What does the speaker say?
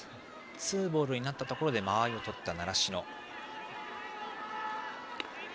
ツーボールになったところで間合いを取った習志野。